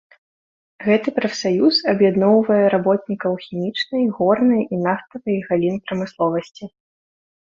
Гэты прафсаюз аб'ядноўвае работнікаў хімічнай, горнай і нафтавай галін прамысловасці.